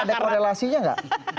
ini ada korelasinya nggak